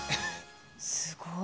すごい。